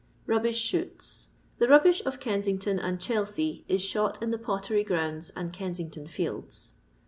R}ihbish shooU. The rubbish of Eensiaiton and Chelsea is shot in the Pottery Gronnoiand Kensington fields.